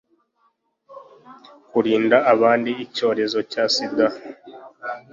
Kurinda abandi icyorezo cya sida